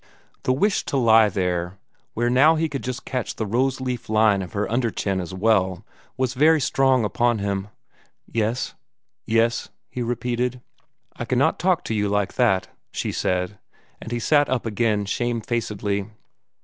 The wish to lie there, where now he could just catch the rose leaf line of her under chin as well, was very strong upon him. "Yes?" he repeated. "I cannot talk to you like that," she said; and he sat up again shamefacedly.